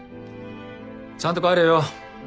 ちゃんと帰れよ。